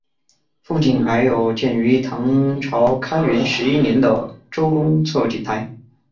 附近还有建于唐朝开元十一年的周公测景台。